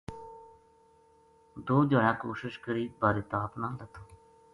دو دھیاڑا کوشش کری بارے تاپ نہ لَتھو